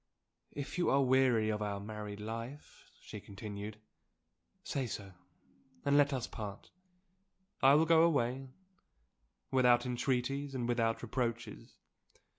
"If you are weary of our married life," she continued, "say so, and let us part. I will go away, without entreaties and without reproaches.